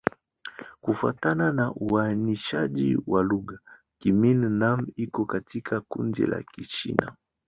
Kufuatana na uainishaji wa lugha, Kimin-Nan iko katika kundi la Kichina.